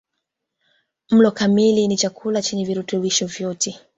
Mlo kamili ni chakula chenye virutubishi vyote